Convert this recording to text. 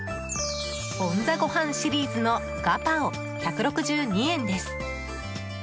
Ｏｎｔｈｅごはんシリーズのガパオ、１６２円です。